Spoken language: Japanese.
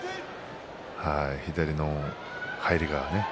左の入りがね。